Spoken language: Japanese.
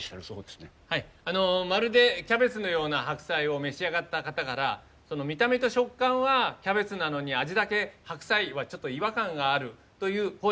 「まるでキャベツのような白菜」を召し上がった方から見た目と食感はキャベツなのに味だけ白菜はちょっと違和感があるという声を頂きました。